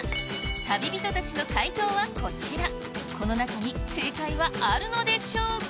旅人たちの回答はこちらこの中に正解はあるのでしょうか！？